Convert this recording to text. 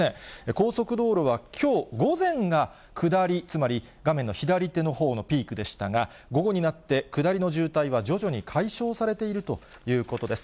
高速道路はきょう午前が下り、つまり画面の左手のほうのピークでしたが、午後になって下りの渋滞は徐々に解消されているということです。